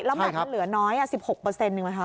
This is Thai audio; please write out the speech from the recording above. แล้วแมทมันเหลือน้อย๑๖หนึ่งไหมคะ